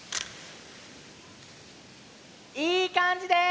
いいかんじです！